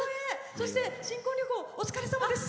そして、新婚旅行お疲れさまです。